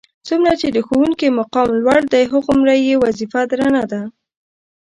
څومره چې د ښوونکي مقام لوړ دی هغومره یې وظیفه درنه ده.